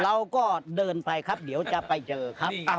เราก็เดินไปครับเดี๋ยวจะไปเจอครับ